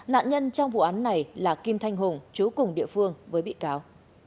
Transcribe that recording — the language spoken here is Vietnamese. nạn nhân trong vụ án này là kim thanh hùng chú cùng địa phương với bị cáo